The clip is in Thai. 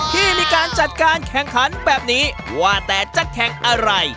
ที่มีการจัดการแข่งขันแบบนี้ว่าแต่จะแข่งอะไร